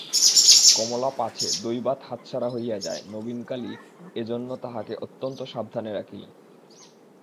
কমলা পাছে দৈবাৎ হাতছাড়া হইয়া যায় নবীনকালী এজন্য তাহাকে অত্যন্ত সাবধানে রাখিলেন।